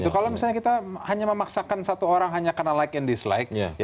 kalau misalnya kita hanya memaksakan satu orang hanya karena like and dislike